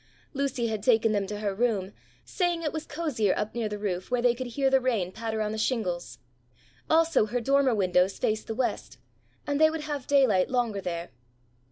Lucy had taken them to her room saying it was cozier up near the roof where they could hear the rain patter on the shingles. Also her dormer windows faced the West, and they would have daylight longer there.